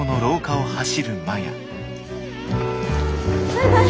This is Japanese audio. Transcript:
バイバイ。